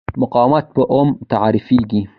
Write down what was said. مقاومت په اوهم تعریفېږي.